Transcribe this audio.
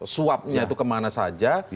suapnya itu kemana saja